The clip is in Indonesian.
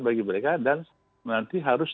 bagi mereka dan nanti harus